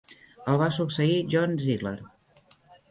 El va succeir John Ziegler.